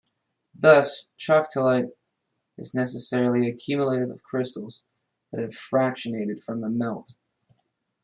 Thus, troctolite is necessarily a cumulate of crystals that have fractionated from melt.